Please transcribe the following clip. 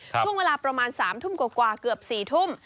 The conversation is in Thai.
ช่วงเวลาประมาณ๓ทุ่มกว่าเกือบ๔ทุ่ม